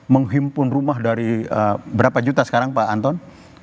menghimpun rumah dari berapa juta sekarang pak anton